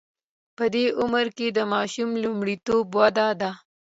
په دې عمر کې د ماشوم لومړیتوب وده ده.